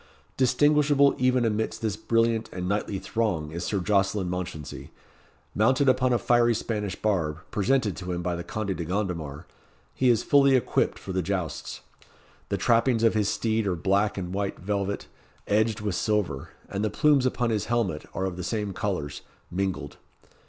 Distinguishable even amidst this brilliant and knightly throng is Sir Jocelyn Mounchensey. Mounted upon a fiery Spanish barb, presented to him by the Conde de Gondomar, he is fully equipped for the jousts. The trappings of his steed are black and white velvet, edged with silver, and the plumes upon his helmet are of the same colours, mingled.